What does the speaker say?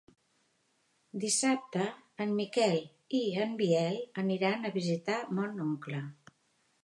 Dissabte en Miquel i en Biel aniran a visitar mon oncle.